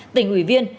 tỉnh ủy viên